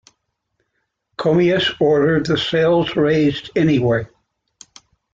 Commius ordered the sails raised anyway.